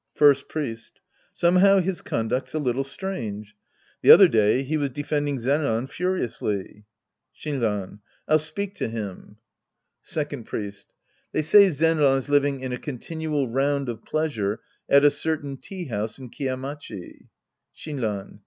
First Priest. Somehow his conduct's a little strange. The other day, he was defending Zenran furiously. Shinran. I'll speak to him. Sc. II The Priest and His Disciples 1 1 7 Second Priest. They say Zenran's living in a con tinual round of pleasure at a certain tea house in Kiya Machi. Shinran.